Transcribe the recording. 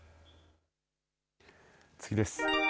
次です。